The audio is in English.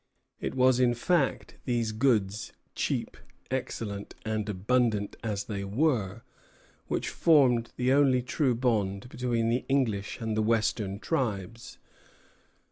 It was in fact, these goods, cheap, excellent, and abundant as they were, which formed the only true bond between the English and the Western tribes.